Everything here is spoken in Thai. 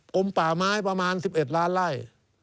ลมป่าไม้ประมาณ๑๑ล้านไล่